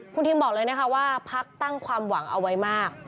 คุณทิมบอกเลยนะคะว่าพักตั้งความหวังเอาไว้มาก